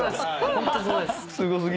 ホントそうです。